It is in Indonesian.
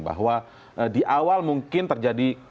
bahwa di awal mungkin terjadi